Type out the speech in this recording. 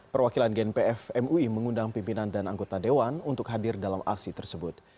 perwakilan gnpf mui mengundang pimpinan dan anggota dewan untuk hadir dalam aksi tersebut